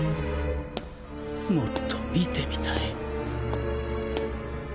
もっと見てみたい